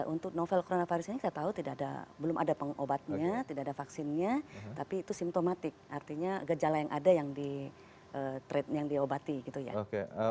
untuk novel coronavirus ini saya tahu belum ada pengobatnya tidak ada vaksinnya tapi itu simptomatik artinya gejala yang ada yang diobati gitu ya